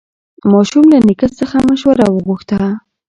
ماشوم له نیکه څخه مشوره وغوښته